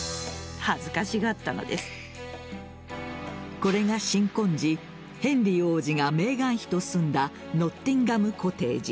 これが、新婚時ヘンリー王子がメーガン妃と住んだノッティンガム・コテージ。